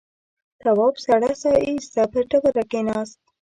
تواب سړه سا ایسته پر ډبره کېناست.